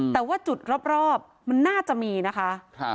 แต่ว่าจุดรอบมันน่าจะมีนะคะ